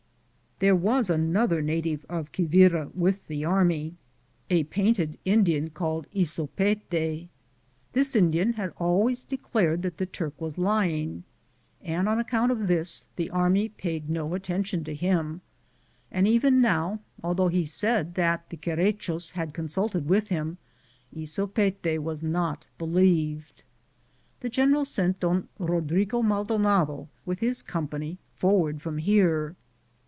There was another native of Quivira with the army, a painted Indian named Ysopete. This In dian had always declared that the Turk was lying, and on account of this the army paid no attention to him, and even now, although he said that the Querechos had consulted with him, Ysopete was not believed. The general sent Bon Kodrigo Maldonado, with his company, forward from here.